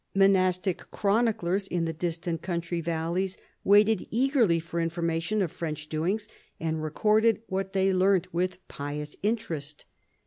Monastic chroniclers in the distant country valleys waited eagerly for information of French doings, and recorded what they learnt with pious interest.